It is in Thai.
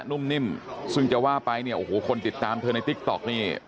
นุ่มนิ่มซึ่งจะว่าไปเนี่ยโอ้โหคนติดตามเธอในติ๊กต๊อกนี่